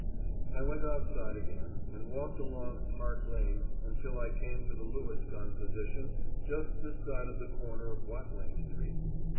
I went outside again, and walked along Park Lane until I came to the Lewis gun position just this side of the corner of Watling Street.